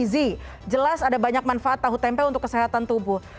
gizi jelas ada banyak manfaat tahu tempe untuk kesehatan tubuh